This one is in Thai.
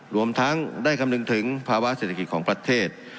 รวมทั้งได้คำนึงถึงภาวะเศรษฐกิจของประเทศ